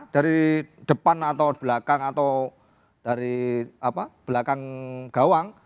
dari depan atau belakang atau dari belakang gawang